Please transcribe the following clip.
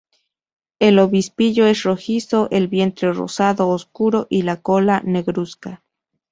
El obispillo es rojizo, el vientre rosado oscuro y la cola negruzca.